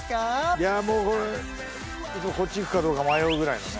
いやもうこっち行くかどうか迷うぐらいのね